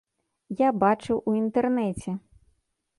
Я бачыў у інтэрнэце.